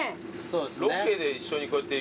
ロケで一緒にこうやって行くのは？